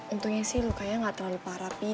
untungnya sih lukanya gak terlalu parah pih